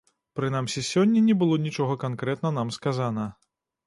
Прынамсі сёння не было нічога канкрэтна нам сказана.